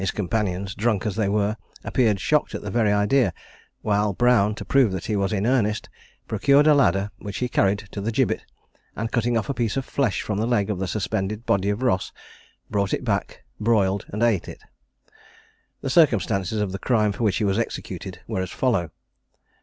His companions, drunk as they were, appeared shocked at the very idea; while Brown, to prove that he was in earnest, procured a ladder, which he carried to the gibbet, and cutting off a piece of flesh from the leg of the suspended body of Ross, brought it back, broiled and ate it. The circumstances of the crime for which he was executed were as follow.